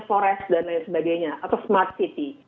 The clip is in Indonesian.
forest dan lain sebagainya atau smart city